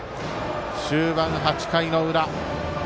終盤、８回の裏。